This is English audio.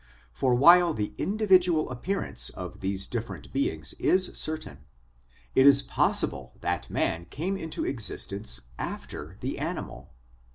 For while the individual appearance of these different beings is certain, it is possible that man came into existence after the animal.